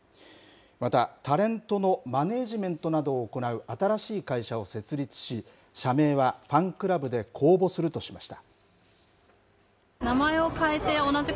また、タレントのマネージメントなどを行う新しい会社を設立し、社名はファンクラブで公募するとしました。